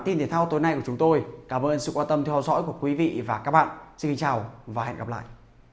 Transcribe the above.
xin chào và hẹn gặp lại